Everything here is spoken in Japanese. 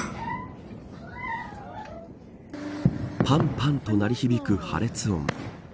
パンパンと鳴り響く破裂音。